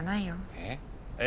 えっ？